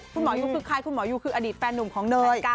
คุณหมอยูคือใครคุณหมอยูคืออดีตแฟนหนุ่มของเนย